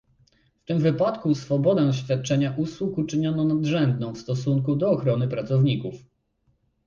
W tym wypadku swobodę świadczenia usług uczyniono nadrzędną w stosunku do ochrony pracowników